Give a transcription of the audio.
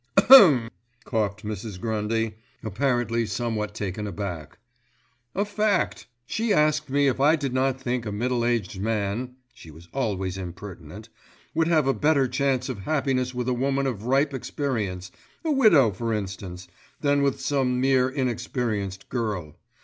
"Ahem!" coughed Mrs. Grundy, apparently somewhat taken aback. "A fact! She asked me if I did not think a middle aged man—she was always impertinent—would have a better chance of happiness with a woman of ripe experience, a widow for instance, than with some mere inexperienced girl.